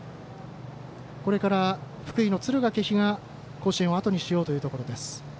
これから福井の敦賀気比が甲子園をあとにしようというところです。